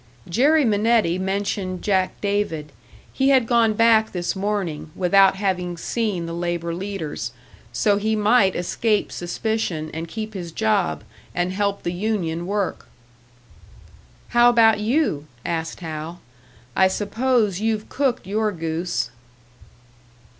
Jerry Minetti mentioned Jack David. He had gone back this morning, without having seen the labour leaders. So he might escape suspicion, and keep his job, and help the union work. "How about you?" asked Hal. "I suppose you've cooked your goose."